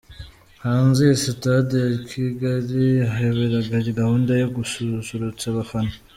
Hanze ya Sitade ya Kigali ahaberaga gahunda yo gususurutsa abafana.